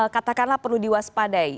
katakanlah perlu diwaspadai